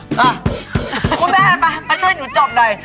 คุณแม่มามาช่วยหนูจบหน่อย